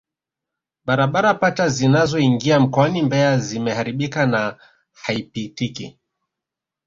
Barabara pacha zinazoingia mkoani Mbeya zimeharibika na haipitiki